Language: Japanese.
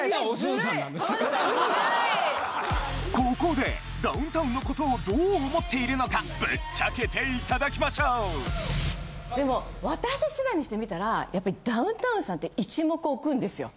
ここでダウンタウンのことをどう思っているのかぶっちゃけていただきましょうでも私世代にしてみたらやっぱりダウンタウンさんって一目置くんですよ。